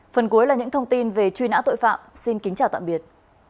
phần cuối là những thông tin về truy nã tội phạm xin kính chào tạm biệt